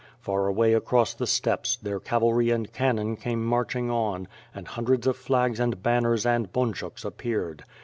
Far away across the steppes, their cavalry and cannon came marching on, and hundreds of flags and banners and bunchuks appeared.